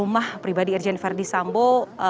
nah pribadi irjen ferdisambo